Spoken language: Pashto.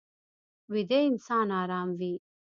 ویده انسان ارام وي